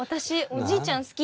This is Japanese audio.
おじいちゃん好き？